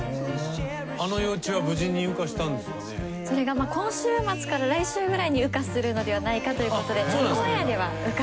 あの幼虫はそれが今週末から来週くらいに羽化するのではないかということで。